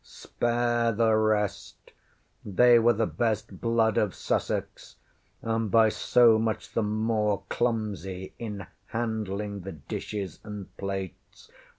ŌĆśSpare the rest! They were the best blood of Sussex, and by so much the more clumsy in handling the dishes and plates.